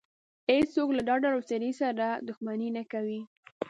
هېڅ څوک له دا ډول سړي سره دښمني نه کوي.